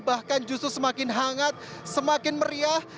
bahkan justru semakin hangat semakin meriah